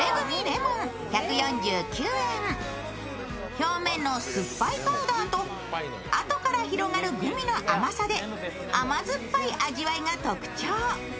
表面のすっぱいパウダーとあとから広がるグミの甘さで甘酸っぱい味わいが特徴。